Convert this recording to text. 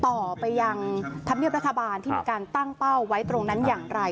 ต่อไปยังธรรมเนียบรัฐบาลที่มีการตั้งเป้าไว้ตรงนั้นอย่างไร